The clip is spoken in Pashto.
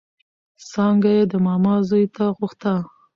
څانګه يې د ماما زوی ته غوښته